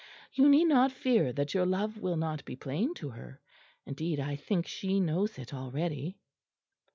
You need not fear that your love will not be plain to her. Indeed, I think she knows it already."